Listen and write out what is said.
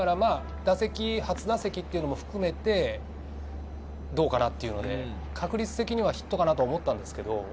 初打席というのも含めて、どうかなって、確率的にはヒットかなと思ったんですけど。